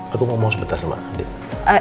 aku ngomong sebentar sama adik